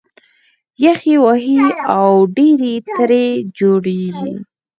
یخ یې وهي او ډېرۍ ترې جوړېږي